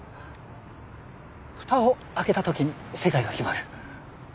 蓋を開けた時に世界が決まる。